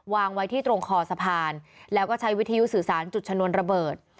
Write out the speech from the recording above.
วางไว้ที่ตรงคอสะพานแล้วก็ใช้วิทยุสื่อสารจุดชนวนระเบิด